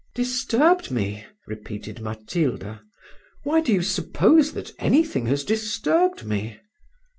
"Disturbed me!" repeated Matilda: "why do you suppose that any thing has disturbed me?"